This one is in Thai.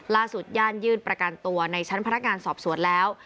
ย่านยื่นประกันตัวในชั้นพนักงานสอบสวนแล้ว